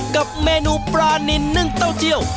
กับเมนูปลานินนึ่งเต้าเจียว